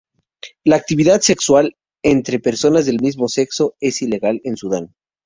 La actividad sexual entre personas del mismo sexo es ilegal en Sudán.